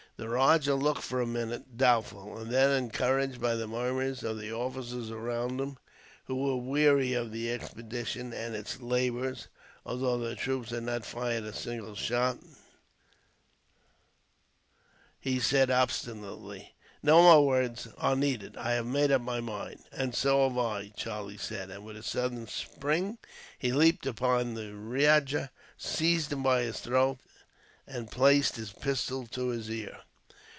The rajah looked for a minute doubtful; and then, encouraged by the murmurs of the officers around him, who were weary of the expedition and its labours, although their troops had not fired a single shot, he said obstinately: "No more words are needed. I have made up my mind." "And so have I," Charlie said, and with a sudden spring he leaped upon the rajah, seized him by the throat, and placed a pistol to his ear.